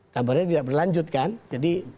kabarnya tidak berlanjut kan jadi